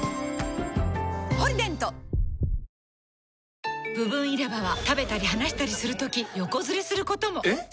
「ポリデント」部分入れ歯は食べたり話したりするとき横ずれすることも！えっ！？